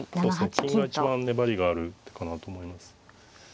金が一番粘りがある手かなと思います。